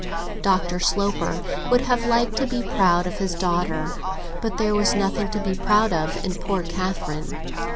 Dr. Sloper would have liked to be proud of his daughter; but there was nothing to be proud of in poor Catherine.